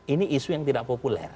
ini isu yang tidak populer